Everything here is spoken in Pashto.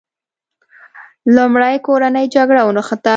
لومړی کورنۍ جګړه ونښته.